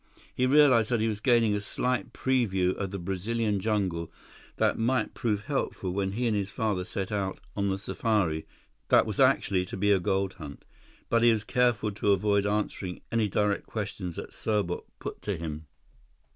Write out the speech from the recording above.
He realized that he was gaining a slight preview of the Brazilian jungle that might prove helpful when he and his father set out on the safari that was actually to be a gold hunt. But he was careful to avoid answering any direct questions that Serbot put to him.